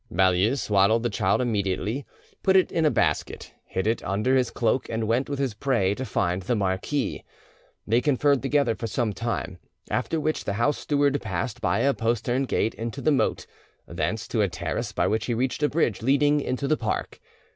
Baulieu swaddled the child immediately, put it in a basket, hid it under his cloak, and went with his prey to find the marquis; they conferred together for some time, after which the house steward passed by a postern gate into the moat, thence to a terrace by which he reached a bridge leading into the park.